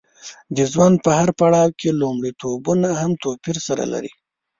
د ژوند په هر پړاو کې لومړیتوبونه هم توپیر سره لري.